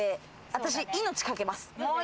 私命かけます。